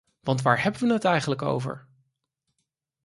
Want waar hebben we het eigenlijk over?